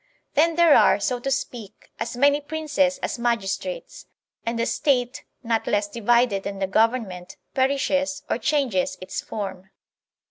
Then there are, so to speak, as many Princes as magistrates; and the State, not less divided than the government, perishes or changes its form.